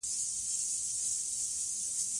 - څوک چي خپل راز وایې ځان غلام کوي.